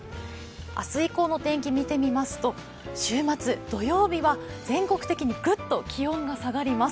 明日以降の天気、見てみますと週末、土曜日は全国的にぐっと気温が下がります。